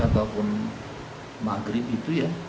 ataupun maghrib itu ya